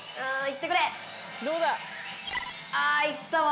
・あいったわ。